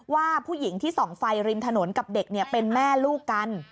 ว่าผู้หญิงที่ส่องไฟริมถนนกับเด็กเป็นแม่ลูกกัน